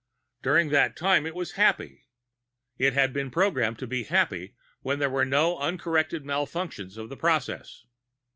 During that time, it was Happy. (It had been programmed to be Happy when there were no uncorrected malfunctions of the process.)